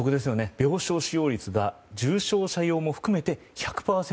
病床使用率が重症者用も含めて１００％。